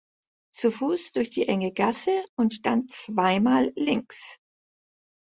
Zu Fuß durch die enge Gasse und dann zweimal links.